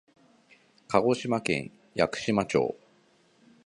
鹿児島県屋久島町